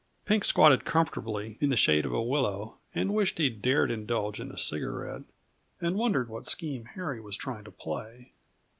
Pink squatted comfortably in the shade of a willow and wished he dared indulge in a cigarette, and wondered what scheme Harry was trying to play.